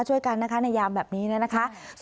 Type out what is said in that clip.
ช่วยกันนะคะในยามแบบนี้นะคะ